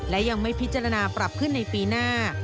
และยังไม่พิจารณาปรับขึ้นในปีหน้า